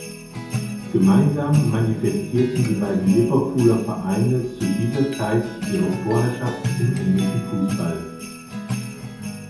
Gemeinsam manifestierten die beiden Liverpooler Vereine zu dieser Zeit ihre Vorherrschaft im englischen Fußball.